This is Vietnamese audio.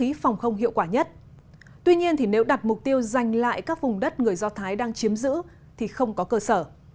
các vũ khí phòng không hiệu quả nhất tuy nhiên thì nếu đặt mục tiêu giành lại các vùng đất người do thái đang chiếm giữ thì không có cơ sở